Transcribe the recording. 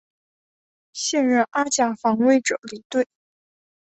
现任阿甲防卫者领队。